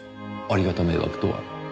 ありがた迷惑とは？